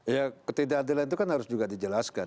ya ketidakadilan itu kan harus juga dijelaskan